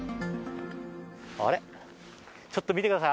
あれ、ちょっと見てください。